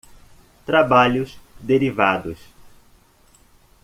Trabalhos derivados.